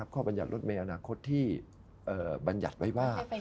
บรรยัติรถเมย์อนาคตที่บรรยัติไว้ว่า